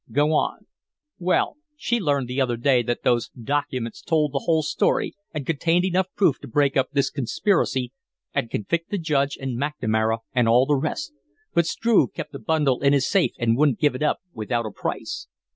Go on." "Well, she learned the other day that those documents told the whole story and contained enough proof to break up this conspiracy and convict the Judge and McNamara and all the rest, but Struve kept the bundle in his safe and wouldn't give it up without a price.